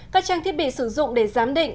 các trang thiết bị sử dụng để giám định